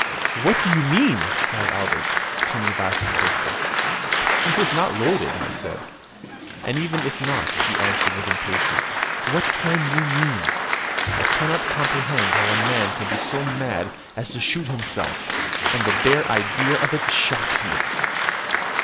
"What do you mean?" cried Albert, turning back the pistol. "It is not loaded," said I. "And even if not," he answered with impatience, "what can you mean? I cannot comprehend how a man can be so mad as to shoot himself, and the bare idea of it shocks me."